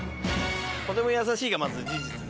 とても優しいがまず事実ね。